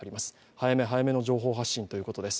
早め早めの情報発信ということです。